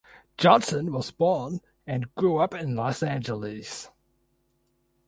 Johnson was born and grew up in Los Angeles.